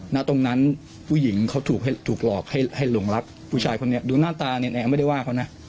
ณตรงนั้นผู้หญิงเขาถูกหลอกให้หลงรักผู้ชายคนนี้ดูหน้าตาเนียนแอร์ไม่ได้ว่าเขานะ